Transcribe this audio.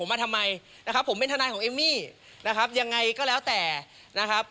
มาทำไมนะครับผมเป็นทนายของเอมมี่นะครับยังไงก็แล้วแต่นะครับ